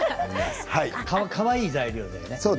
かわいい材料でね。